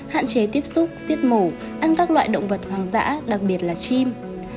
hạn chế tiếp xúc giết mổ ăn các loại động vật hoang dã đặc biệt là chim